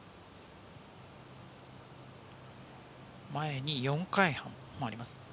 前に４回半回ります。